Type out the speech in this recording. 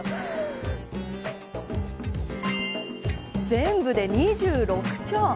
全部で２６丁。